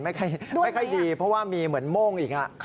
ไม่ค่อยดีเพราะว่ามีเหมือนโม่งอีก